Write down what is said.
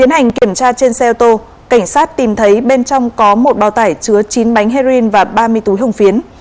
tiến hành kiểm tra trên xe ô tô cảnh sát tìm thấy bên trong có một bao tải chứa chín bánh heroin và ba mươi túi hồng phiến